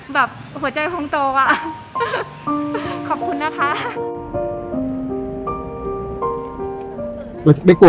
แบบหัวใจพ้องโตว่ะ